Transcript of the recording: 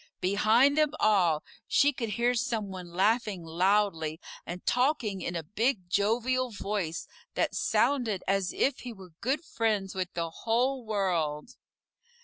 Behind them all, she could hear some one laughing loudly, and talking in a big, jovial voice that sounded as if he were good friends with the whole world.